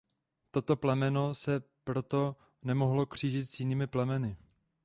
Toto plemeno se proto nemohlo křížit s jinými plemeny.